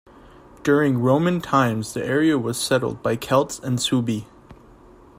During Roman times the area was settled by Celts and Suebi.